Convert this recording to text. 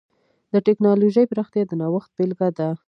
د ټکنالوجۍ پراختیا د نوښت بېلګه ده.